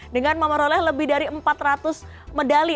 dengan memperoleh lebih dari empat ratus medali